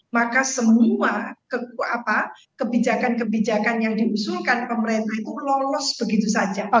maka semua kebijakan kebijakan yang diusulkan pemerintah itu lolos begitu saja